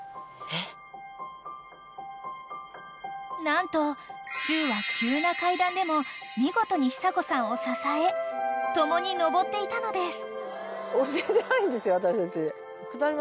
［何としゅうは急な階段でも見事に久子さんを支え共に上っていたのです］